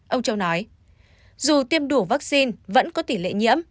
ông châu nói dù tiêm đủ vaccine vẫn có tỷ lệ nhiễm